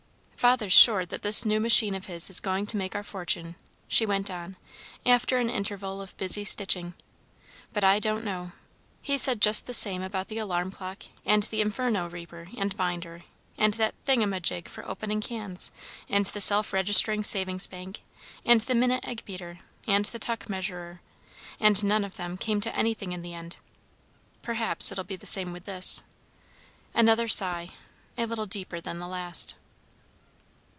"Father's sure that this new machine of his is going to make our fortune," she went on, after an interval of busy stitching. "But I don't know. He said just the same about the alarm clock, and the Imferno Reaper and Binder, and that thing a my jig for opening cans, and the self registering Savings Bank, and the Minute Egg Beater, and the Tuck Measurer, and none of them came to anything in the end. Perhaps it'll be the same with this." Another sigh, a little deeper than the last.